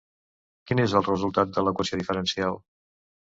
Quin és el resultat de l'equació diferencial?